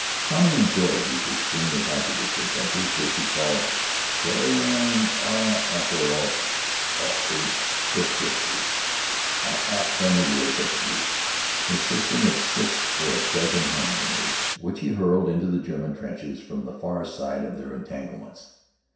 Tommy enjoyed these extremely hazardous adventures which he called "Carryin' a 'app'orth o' 'ate to Fritzie," a halfpenny worth of hate, consisting of six or a dozen hand grenades which he hurled into the German trenches from the far side of their entanglements.